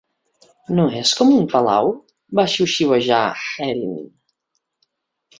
"No és com un palau?" va xiuxiuejar Erin.